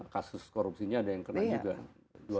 kasus korupsinya ada yang kena juga